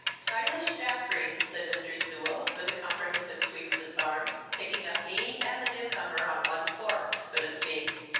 "Silas Jaffrey," said Mr. Sewell, with a comprehensive sweep of his arm, picking up me and the new comer on one fork, so to speak.